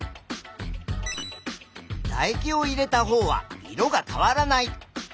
だ液を入れたほうは色が変わらない。